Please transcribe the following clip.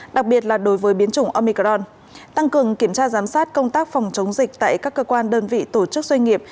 đặc biệt là đối với biến chủng omicron tăng cường kiểm tra giám sát công tác phòng chống dịch tại các cơ quan đơn vị tổ chức doanh nghiệp